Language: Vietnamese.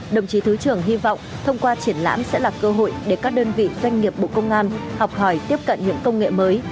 đồng chí thứ trưởng hy vọng thông qua triển lãm sẽ là cơ hội để các đơn vị doanh nghiệp bộ công an học hỏi tiếp cận những công nghệ mới